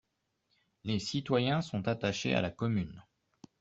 Les citoyens sont attachés à la commune.